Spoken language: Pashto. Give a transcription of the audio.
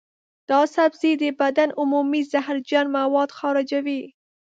دا سبزی د بدن عمومي زهرجن مواد خارجوي.